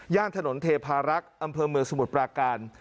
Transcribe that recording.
ถนนเทพารักษ์อำเภอเมืองสมุทรปราการ